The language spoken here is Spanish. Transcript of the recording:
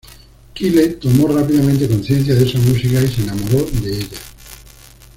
Kyle tomó rápidamente conciencia de esa música y se enamoró de ella.